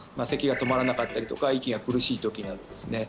咳が止まらなかったりとか息が苦しい時などですね